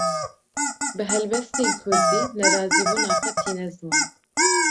Bi helbestên Kurdî, nerazîbûna xwe tîne ziman